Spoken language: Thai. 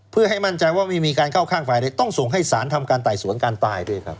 เพื่อให้มั่นใจว่าไม่มีการเข้าข้างฝ่ายต้องส่งให้สารทำการไต่สวนการตายด้วยครับ